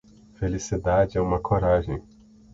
Felicidade é uma coragem.